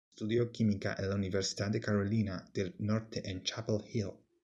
Estudió Química en la Universidad de Carolina del Norte en Chapel Hill.